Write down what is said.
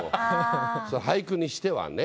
俳句にしてはね。